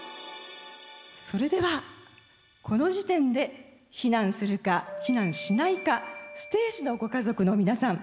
それではこの時点で避難するか避難しないかステージのご家族の皆さん